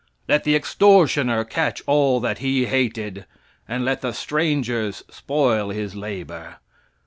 "Let the extortioner catch all that he hated; and let the strangers spoil his labor.